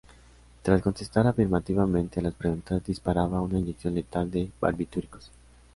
Tras contestar afirmativamente a las preguntas, disparaba una inyección letal de barbitúricos.